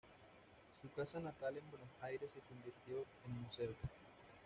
Su casa natal en Buenos Aires se convirtió en museo.